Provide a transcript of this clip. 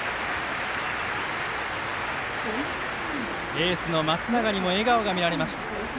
エースの松永にも笑顔が見られました。